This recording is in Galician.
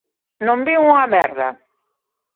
Non vin unha merda.